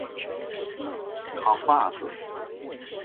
扛把子